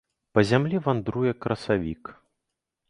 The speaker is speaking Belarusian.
Па зямлі вандруе красавік.